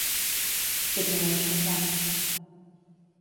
I què va observar?